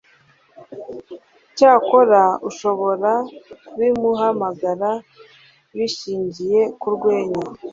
cyakora ushobora kubimuhamagara, bishingiye ku rwenya